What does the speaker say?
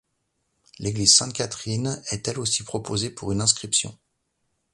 L'église Sainte-Catherine est elle aussi proposée pour une inscription.